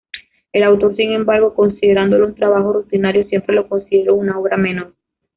El autor, sin embargo, considerándolo un trabajo rutinario, siempre lo consideró una obra menor.